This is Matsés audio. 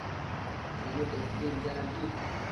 Chenu tëdquën, champi